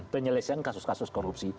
penyelesaian kasus kasus korupsi